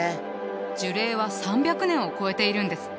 樹齢は３００年を超えているんですって！